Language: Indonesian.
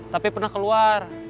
tapi pernah keluar